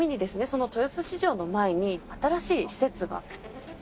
その豊洲市場の前に新しい施設が。